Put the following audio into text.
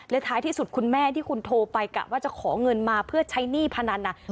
ท้ายที่สุดคุณแม่ที่คุณโทรไปกะว่าจะขอเงินมาเพื่อใช้หนี้พนัน